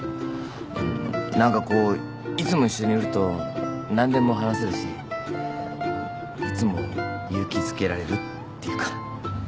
ん何かこういつも一緒にいると何でも話せるしこういつも勇気づけられるっていうか。